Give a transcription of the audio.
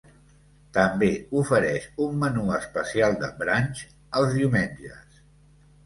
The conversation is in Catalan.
També ofereix un menú especial de brunch els diumenges.